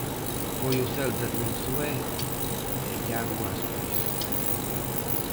Foi o Celta de Unzué e Iago Aspas.